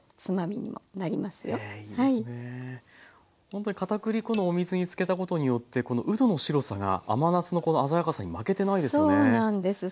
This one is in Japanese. ほんとにかたくり粉のお水につけたことによってこのうどの白さが甘夏のこの鮮やかさに負けてないですよね。